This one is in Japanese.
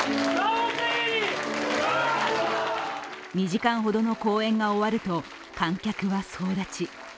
２時間ほどの公演が終わると、観客は総立ち。